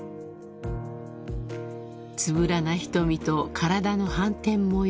［つぶらな瞳と体の斑点模様